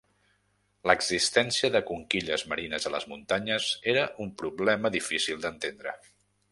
L'existència de conquilles marines a les muntanyes era un problema difícil d'entendre.